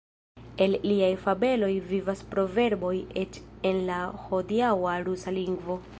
El liaj fabeloj vivas proverboj eĉ en la hodiaŭa rusa lingvo.